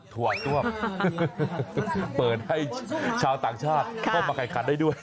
ถั่วต้วมเปิดให้ชาวต่างชาติเข้ามาแข่งขันได้ด้วย